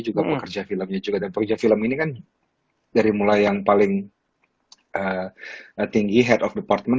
juga pekerja filmnya juga dan pekerja film ini kan dari mulai yang paling tinggi head of department